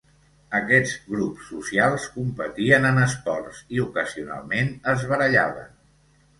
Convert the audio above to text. Aquests grups socials competien en esports i ocasionalment es barallaven.